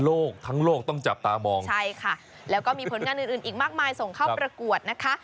ทั้งโลกต้องจับตามองใช่ค่ะแล้วก็มีผลงานอื่นอื่นอีกมากมายส่งเข้าประกวดนะคะ